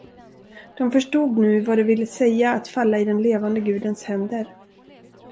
De förstod nu vad det ville säga att falla i den levande gudens händer.